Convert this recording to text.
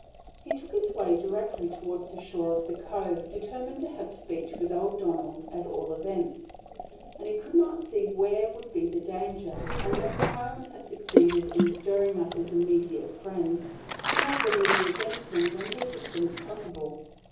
He took his way directly toward the shore of the Cove, determined to have speech with old Donald at all events. And he could not see where would be the danger, unless Tryon had succeeded in stirring up his immediate friends more bitterly against him than he could think possible.